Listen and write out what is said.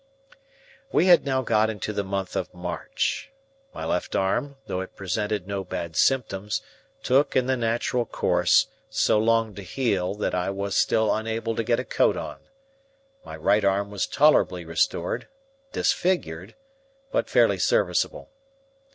We had now got into the month of March. My left arm, though it presented no bad symptoms, took, in the natural course, so long to heal that I was still unable to get a coat on. My right arm was tolerably restored; disfigured, but fairly serviceable.